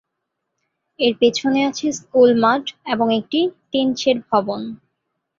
এর পেছনে আছে স্কুল মাঠ এবং একটি টিনশেড ভবন।